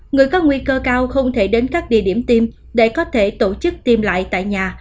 người có nguy cơ cao không thể đến các địa điểm tiêm để có thể tổ chức tiêm lại tại nhà